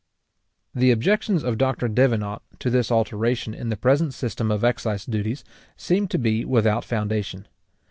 The objections of Dr. Davenant to this alteration in the present system of excise duties, seem to be without foundation.